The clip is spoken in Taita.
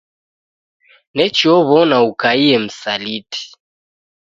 Nechi ow'ona ukaie msaliti